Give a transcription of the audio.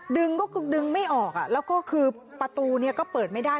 ดึงก็คือดึงไม่ออกแล้วก็คือประตูเนี่ยก็เปิดไม่ได้